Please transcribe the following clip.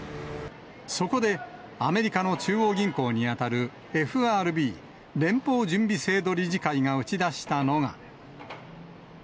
そこで、アメリカの中央銀行に当たる、ＦＲＢ・連邦準備制度理事会が打ち出したのが。